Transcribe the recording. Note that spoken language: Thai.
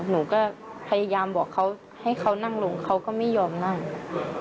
หนูก็พยายามบอกเขาให้เขานั่งลงเขาก็ไม่ยอมนั่ง